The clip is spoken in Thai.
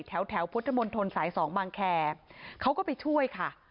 แถวแถวพุทธมณฑนสายสองบางแค่เขาก็ไปช่วยค่ะ